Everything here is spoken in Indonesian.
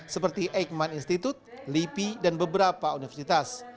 seperti eijkman institute lipi dan beberapa universitas